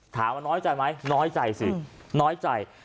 ถามว่าน้อยใจไหมน้อยใจสิน้อยใจ